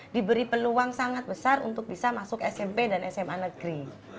diberi peluang sangat besar untuk bisa masuk smp dan sma negeri